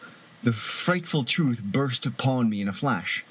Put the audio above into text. The frightful truth burst upon me in a flash.